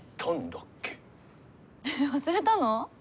忘れたの？